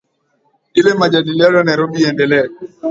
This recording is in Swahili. ile majadiliano ya nairobi iendelee